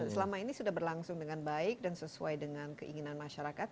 selama ini sudah berlangsung dengan baik dan sesuai dengan keinginan masyarakat